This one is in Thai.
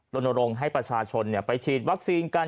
ลงให้ประชาชนไปฉีดวัคซีนกัน